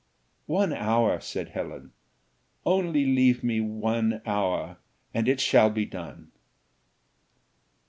"One hour," said Helen, "only leave me for one hour, and it shall be done."